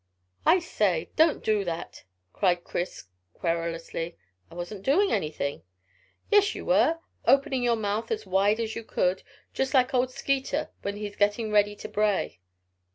"I say, don't do that," cried Chris querulously. "I wasn't doing anything." "Yes, you were; opening your mouth as wide as you could, just like old Skeeter when he's getting ready to bray."